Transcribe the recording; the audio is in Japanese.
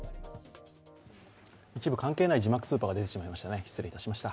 一部関係ない字幕スーパーが出てしまいました。